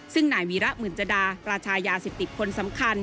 ซึ่งนายวีระหมื่นจดาราชายยาเสพติดคนสำคัญ